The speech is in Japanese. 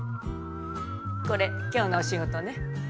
これ今日のお仕事ね。